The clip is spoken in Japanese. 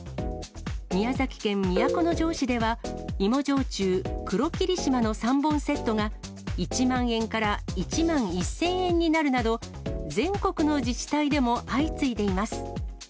宮崎県都城市では、芋焼酎、黒霧島の３本セットが、１万円から１万１０００円になるなど、全国の自治体でも相次いでいます。